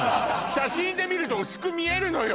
写真で見ると薄く見えるのよ